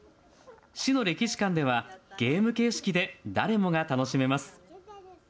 市の歴史館では、ゲーム形式で誰もが楽しめます。